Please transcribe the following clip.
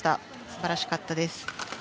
素晴らしかったです。